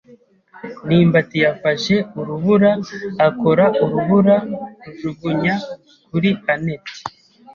ndimbati yafashe urubura, akora urubura rujugunya kuri anet.